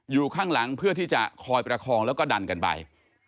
อยู่ข้างหลังเพื่อที่จะคอยประคองแล้วก็ดันกันไป